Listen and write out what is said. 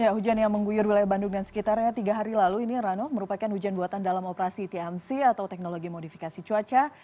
ya hujan yang mengguyur wilayah bandung dan sekitarnya tiga hari lalu ini rano merupakan hujan buatan dalam operasi tmc atau teknologi modifikasi cuaca